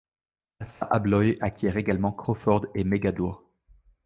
Assa Abloy acquiert également Crawford et Megadoor.